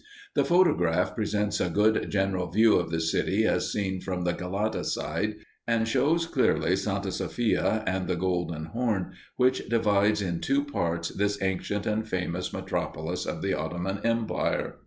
The photograph presents a good general view of the city as seen from the Galata side; and shows clearly Santa Sophia and the Golden Horn which divides in two parts this ancient and famous metropolis of the Ottoman Empire.